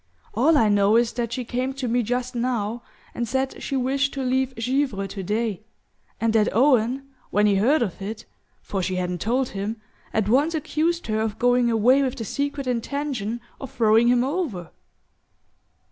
All I know is that she came to me just now and said she wished to leave Givre today; and that Owen, when he heard of it for she hadn't told him at once accused her of going away with the secret intention of throwing him over."